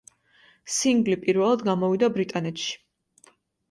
სინგლი პირველად გამოვიდა ბრიტანეთში.